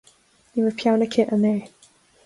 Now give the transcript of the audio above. Nach raibh peann aici inné